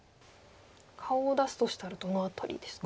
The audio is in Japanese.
顔を出すとしたらどの辺りですか？